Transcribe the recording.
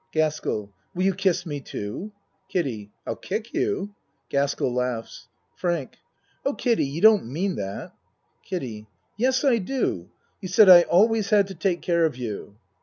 GASKELL Will you kiss me too? KIDDIE I'll kick you. (Gaskell laughs.) FRANK Oh, Kiddie, you don't mean that. KIDDIE Yes, I do. You said I always had to take care of you.